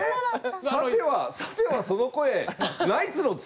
さてはさてはその声ナイツの土屋君だね。